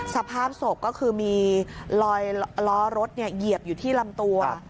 สภาพศพก็คือมีรอยล้อรถเหยียบอยู่ที่ลำตัว